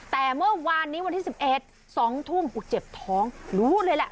แต่เมื่อวานนี้วันที่๑๑๒ทุ่มกูเจ็บท้องรู้เลยแหละ